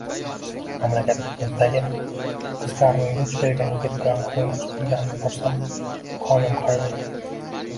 Mahallamizdagi qizlarning duch kelgan yigit bilan hiringlashib yurganini ko`rsam qonim qaynaydi